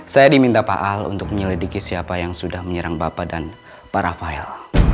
saya diminta pak al untuk menyelidiki siapa yang sudah menyerang bapak dan pak rafael